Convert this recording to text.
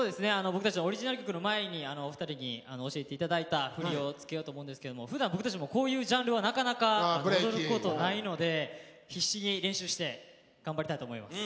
僕たちのオリジナル曲の前にお二人に教えて頂いた振りをつけようと思うんですけどもふだん僕たちもこういうジャンルはなかなか踊ることないので必死に練習して頑張りたいと思います。